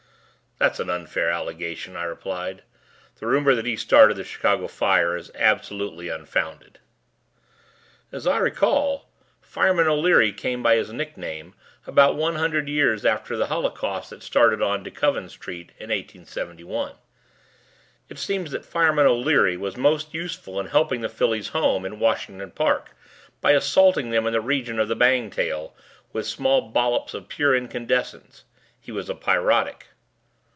"That's an unfair allegation," I replied. "The rumor that he started the Chicago Fire is absolutely unfounded." "As I recall, 'Fireman' O'Leary came by his nickname about one hundred years after the holocaust that started on DeKoven Street in 1871. It seems that 'Fireman' O'Leary was most useful in helping the fillies home at Washington Park by assaulting them in the region of the bangtail with small bollops of pure incandescence. He was a pyrotic."